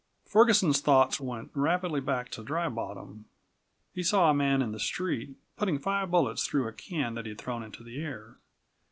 Ferguson's thoughts went rapidly back to Dry Bottom. He saw a man in the street, putting five bullets through a can that he had thrown into the air.